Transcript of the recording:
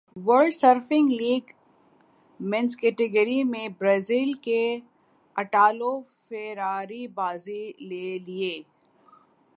world surfing league men's category میں Brazil کے Italo Ferreira بازی لے گئے